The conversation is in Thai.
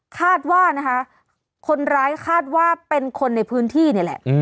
คาดว่านะคะคนร้ายคาดว่าเป็นคนในพื้นที่นี่แหละ